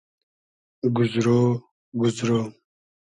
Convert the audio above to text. گوزرۉ گوزرۉ